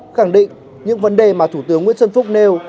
khẳng định những vấn đề mà thủ tướng nguyễn xuân phúc nêu